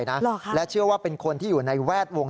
หรอคะและเชื่อว่าเป็นคนที่อยู่ในแวดวง